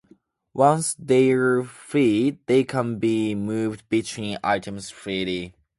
Once they are freed, they can be moved between items freely.